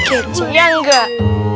kecil ya enggak